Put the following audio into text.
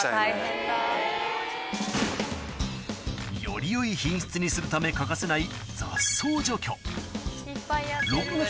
よりよい品質にするため欠かせない